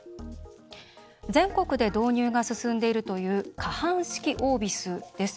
全国で導入が進んでいるという可搬式オービスです。